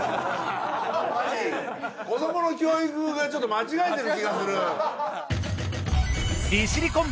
子どもの教育がちょっと間違えてる気がする。